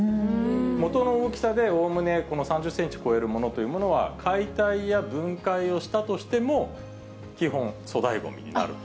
元の大きさでおおむねこの３０センチ超えるものというものは、解体や分解をしたとしても、基本、粗大ごみになる。